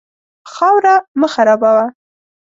خاوره مه خرابوه.